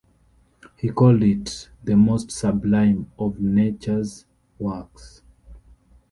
He called it "the most Sublime of nature's works".